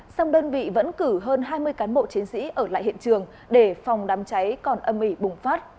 xong đơn vị vẫn cử hơn hai mươi cán bộ chiến sĩ ở lại hiện trường để phòng đám cháy còn âm ỉ bùng phát